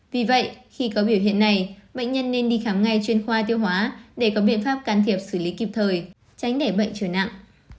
vì vậy khi có biểu hiện này bệnh nhân nên đi khám ngay chuyên khoa tiêu hóa để có biện pháp can thiệp xử lý kịp thời tránh để bệnh trở nặng